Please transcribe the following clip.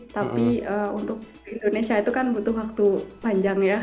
tapi untuk indonesia itu kan butuh waktu panjang ya